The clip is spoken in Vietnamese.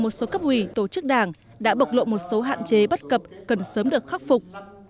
một số cấp ủy tổ chức đảng đã bộc lộ một số hạn chế bất cập cần sớm được khắc phục